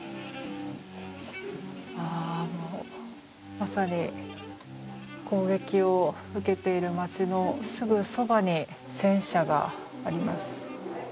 まさに、攻撃を受けている街のすぐそばに戦車があります。